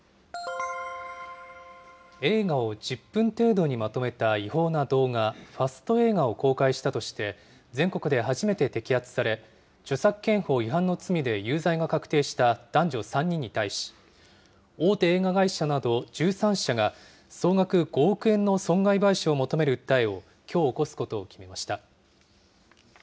映画を１０分程度にまとめた違法な動画、ファスト映画を公開したとして、全国で初めて摘発され、著作権法違反の罪で有罪が確定した男女３人に対し、大手映画会社など１３社が、総額５億円の損害賠償を求める訴えを、きょう起こすことを決めました。